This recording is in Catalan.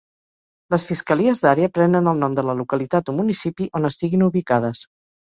Les fiscalies d’àrea prenen el nom de la localitat o municipi on estiguin ubicades.